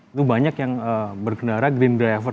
itu banyak yang berkendara green driver